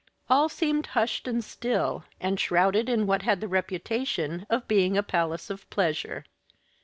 All seemed hushed and still, and shrouded in what had the reputation of being a palace of pleasure.